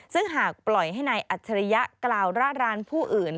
ซึ่งหากปล่อยให้นายอัจฉริยะกล่าวร่ารานผู้อื่น